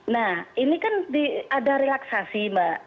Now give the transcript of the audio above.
nah ini kan ada relaksasi mbak